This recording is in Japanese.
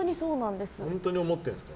本当に思ってるんですか。